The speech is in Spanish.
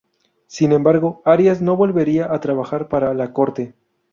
Sin embargo, Arias no volvería a trabajar para la Corte.